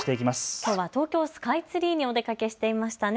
きょうは東京スカイツリーにお出かけしていましたね。